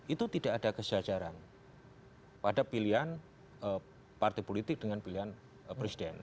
itu tidak ada kesejajaran pada pilihan partai politik dengan pilihan presiden